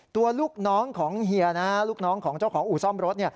ลูกน้องของเฮียลูกน้องของเจ้าของอู่ซ่อมรถ